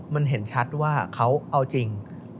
มันเห็นชัดว่าเขาเอาจริง